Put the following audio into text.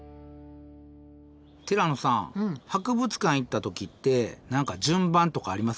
ティラノさん博物館行った時って何か順番とかあります？